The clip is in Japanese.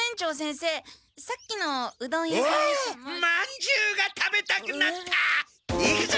まんじゅうが食べたくなった！